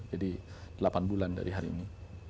jadi delapan bulan dari hari ini